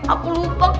aku lupa k